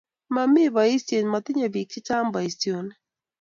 mamii boisie, matinyei biik che chang' boisionik